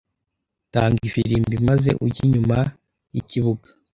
tanga ifirimbi maze ujye inyuma y ikibuga